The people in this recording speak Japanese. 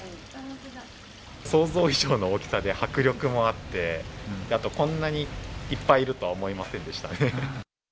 想像以上の大きさで、迫力もあって、あと、こんなにいっぱいいるとは思いませんでしたね。